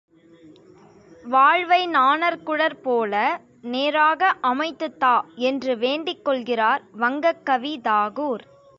வாழ்வை நாணற்குழல்போல நேராக அமைத்துத் தா! என்று வேண்டிக்கொள்கிறார் வங்கக்கவி தாகூர்.